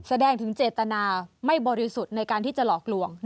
แสดงถึงเจตนาไม่บริสุทธิ์ในการที่จะหลอกลวง